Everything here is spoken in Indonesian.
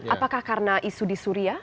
apakah karena isu di suria